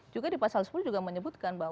juga di pasal sepuluh juga menyebutkan bahwa